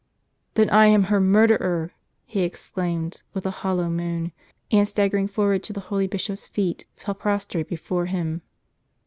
" Then I am her murderer," he exclaimed, with a hollow moan ; and staggering forward to the holy bishop's feet, fell prostrate before him.